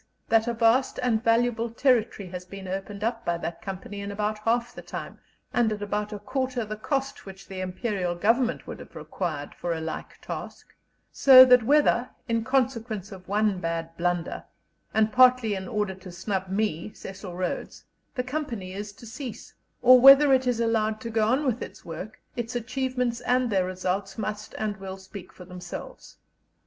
that a vast and valuable territory has been opened up by that Company in about half the time, and at about a quarter the cost, which the Imperial Government would have required for a like task; so that whether, in consequence of one bad blunder, and partly in order to snub me, Cecil Rhodes, the Company is to cease, or whether it is allowed to go on with its work, its achievements and their results must and will speak for themselves."